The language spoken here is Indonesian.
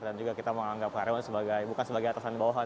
dan juga kita menganggap heroin bukan sebagai atasan bawahan